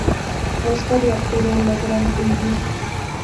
Óscar y Arturo logran huir.